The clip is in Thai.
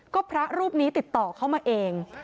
ก็พระรูปนี้ติดต่อเข้ามาเอง